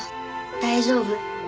大丈夫。